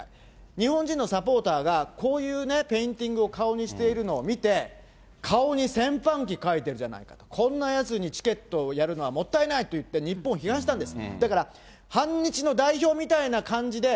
日本人のサポーターが、こういうね、ペインティングを顔にしているのを見て、顔に戦犯旗描いてるじゃないかと、こんなやつにチケットをやるのはもったいないと言って、日本を批判したんです。